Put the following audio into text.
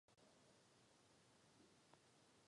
Proto je jejich vlastníkem vždycky obec.